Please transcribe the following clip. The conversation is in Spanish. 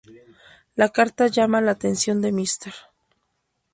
La carta llama la atención de Mr.